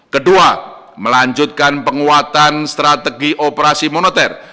kedua melanjutkan penguatan strategi operasi moneter